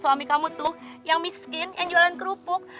suami kamu tuh yang miskin yang jualan kerupuk